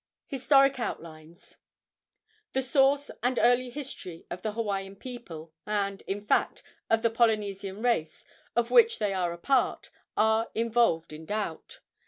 HISTORIC OUTLINES. The source and early history of the Hawaiian people, and, in fact, of the Polynesian race, of which they are a part, are involved in doubt.